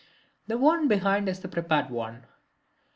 (The one behind is the prepared one.)